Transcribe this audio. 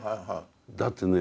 だってね